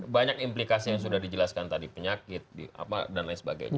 banyak implikasi yang sudah dijelaskan tadi penyakit dan lain sebagainya